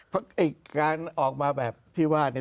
เพราะการออกมาแบบที่ว่าเนี่ย